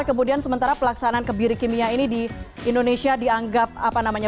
kemudian sementara pelaksanaan kebiri kimia ini di indonesia dianggap apa namanya